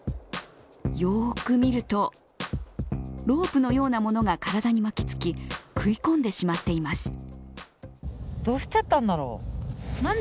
よく見ると、ロープのようなものが体に巻きつき食い込んでしまっています。